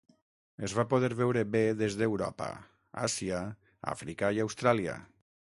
Es va poder veure bé des d'Europa, Àsia, Àfrica i Austràlia.